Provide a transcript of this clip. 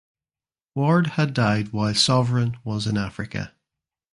Ward had died while "Sovereign" was in Africa.